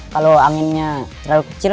kalau anginnya terlalu kecil